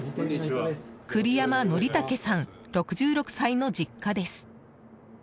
栗山則武さん、６６歳の実家です。